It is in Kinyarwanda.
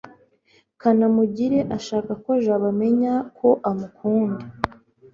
kanamugire ashaka ko jabo amenya ko amukunda cy